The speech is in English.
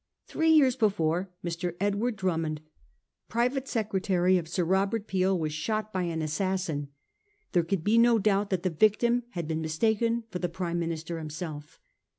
Three years before, Mr. Edward Drummond, private secretary of Sir Robert Peel, was shot by an assassin. There could be no doubt that the victim had been mistaken for the Prime Minister himself.